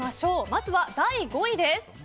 まずは第５位です。